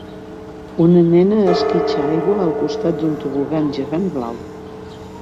Una nena esquitxa aigua al costat d'un tobogan gegant blau.